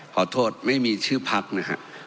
ขอโทษไม่มีชื่อพักนะฮะ